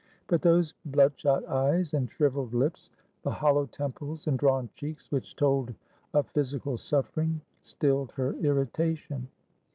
But those blood shot eyes and shrivelled lips, the hollow temples and drawn cheeks which told of physical suffering, stilled her irritation.